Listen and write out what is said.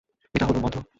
এটা হলো মন্ত্র।